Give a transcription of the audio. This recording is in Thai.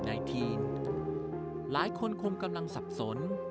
ทีนหลายคนคงกำลังสับสน